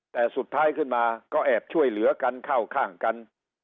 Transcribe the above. แต่สุดท้ายขึ้นมาก็แอบช่วยเหลือกันเข้าข้างกัน